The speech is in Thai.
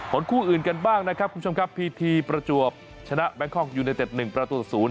คู่อื่นกันบ้างนะครับคุณผู้ชมครับพีทีประจวบชนะแบงคอกยูเนเต็ด๑ประตู๐